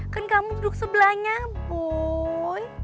kan kamu duduk sebelahnya bu